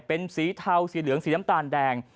เป็นสีเทาสีเหลืองสีน้ำตาลแดง